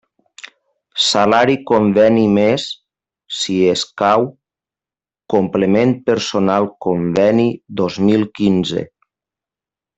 Salari Conveni més, si escau, Complement personal Conveni dos mil quinze.